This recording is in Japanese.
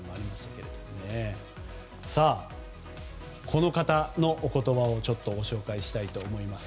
ここで、この方のお言葉をご紹介したいと思います。